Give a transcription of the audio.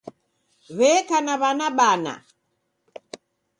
W'eka na w'ana bana.